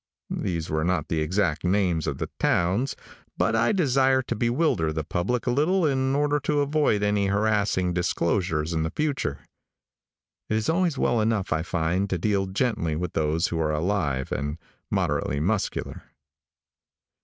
These were not the exact names of the towns, but I desire to bewilder the public a little in order to avoid any harassing disclosures in the future. It is always well enough, I find, to deal gently will those who are alive and moderately muscular.